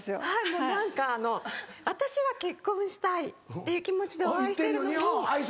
もう何かあの私は結婚したいっていう気持ちでお会いしているのに。